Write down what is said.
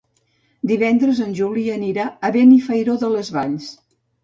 Divendres en Juli anirà a Benifairó de les Valls.